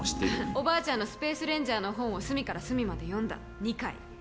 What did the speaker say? おばあちゃんのスペースレンジャーの本を隅から隅まで読んだ、２回。